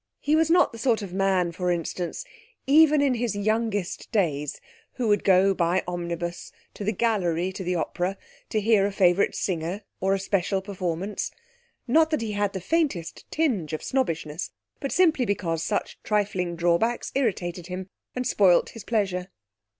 He was not the sort of man, for instance, even in his youngest days, who would go by omnibus to the gallery to the opera, to hear a favourite singer or a special performance; not that he had the faintest tinge of snobbishness, but simply because such trifling drawbacks irritated him, and spoilt his pleasure.